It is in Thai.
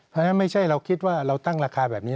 เพราะฉะนั้นไม่ใช่เราคิดว่าเราตั้งราคาแบบนี้